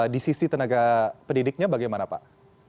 di sisi tenaga pendidiknya bagaimana pak